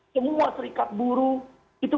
semua serikat buru itu